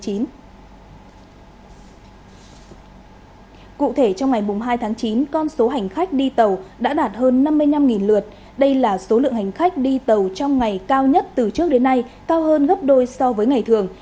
cụ thể trong ngày hai tháng chín con số hành khách đi tàu đã đạt hơn năm mươi năm lượt đây là số lượng hành khách đi tàu trong ngày cao nhất từ trước đến nay cao hơn gấp đôi so với ngày thường